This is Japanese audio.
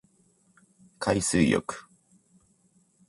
海水浴